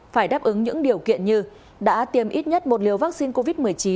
phải đáp ứng những điều kiện như đã tiêm ít nhất một liều vaccine covid một mươi chín